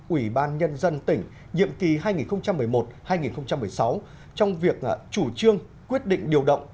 ủy ban nhân dân tỉnh nhiệm kỳ hai nghìn một mươi một hai nghìn một mươi sáu trong việc chủ trương quyết định điều động